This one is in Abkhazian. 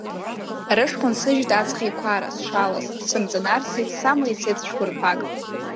Рышхәа нсыжьит аҵх еиқәара сшалаз, сымҵанарсит, сама ицеит цәқәырԥак.